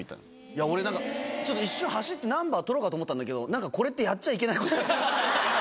いや、俺なんか一瞬走って、ナンバー撮ろうかと思ったんだけど、なんかこれってやっちゃいけないこと。